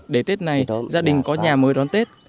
để tết này gia đình có nhà mới đón tết